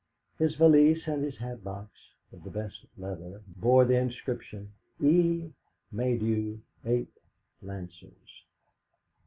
His valise and hat box, of the best leather, bore the inscription, "E. Maydew, 8th Lancers."